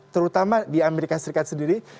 terutama di amerika serikat sendiri